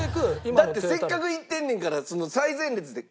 だってせっかく行ってんねんから最前列で。